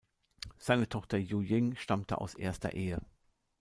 Seine Tochter Yu Ying stammte aus erster Ehe.